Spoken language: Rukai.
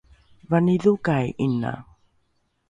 vanidhokai ’ina?